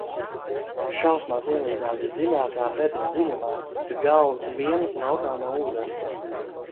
Šausmās ielīdām visdziļākā bedres dziļumā, ka galvas vien laukā no ūdens.